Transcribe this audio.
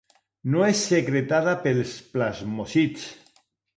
No és secretada pels plasmòcits.